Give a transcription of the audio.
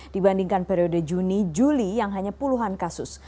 dibandingkan periode juni juli yang hanya puluhan kasus